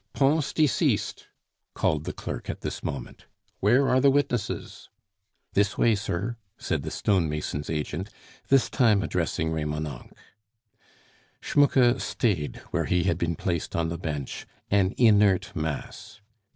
"Pons deceased!..." called the clerk at this moment. "Where are the witnesses?" "This way, sir," said the stone mason's agent, this time addressing Remonencq. Schmucke stayed where he had been placed on the bench, an inert mass.